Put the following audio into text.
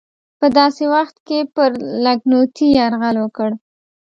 په داسې وخت کې پر لکهنوتي یرغل وکړ.